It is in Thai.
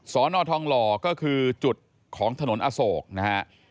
นทองหล่อก็คือจุดของถนนอโศกนะฮะ